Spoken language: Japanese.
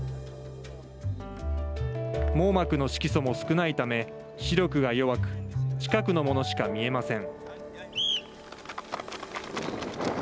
網膜の色素も少ないため視力が弱く近くのものしか見えません。